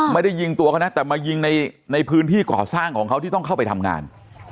ไม่ได้ยิงตัวเขานะแต่มายิงในพื้นที่ก่อสร้างของเขาที่ต้องเข้าไปทำงาน